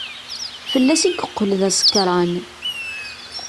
Fell-as i yeqqel d asekṛan.